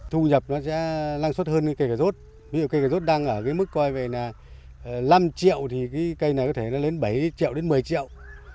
thu nhập nó sẽ lăng suất hơn cây cà rốt ví dụ cây cà rốt đang ở mức năm triệu cây này có thể lên bảy triệu đến một mươi triệu